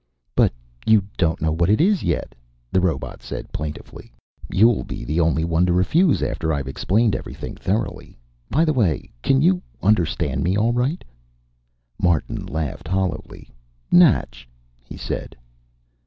"But you don't know what it is yet," the robot said plaintively. "You'll be the only one to refuse, after I've explained everything thoroughly. By the way, can you understand me all right?" Martin laughed hollowly. "Natch," he said.